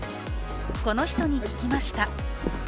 この人に聞きました。